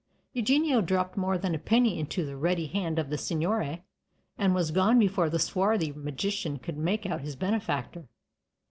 Eugenio dropped more than a penny into the ready hand of the signore, and was gone before the swarthy magician could make out his benefactor.